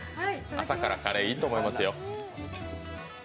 朝からカレーいいと思いますよ。